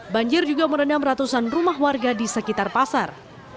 banjir juga merendam ratusan rumah warga di sekitar pasar